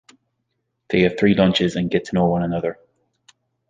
They have three lunches and get to know one another.